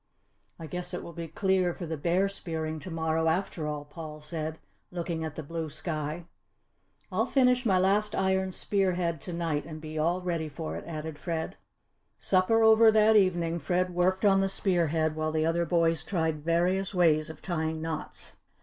"I guess it will be clear for the bear spearing to morrow, after all," Paul said, looking at the blue sky. "I'll finish my last iron spear head to night and be all ready for it," added Fred. Supper over that evening, Fred worked on the spear head while the other boys tried various ways of tying knots.